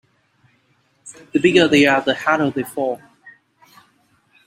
The bigger they are the harder they fall.